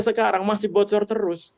sekarang masih bocor terus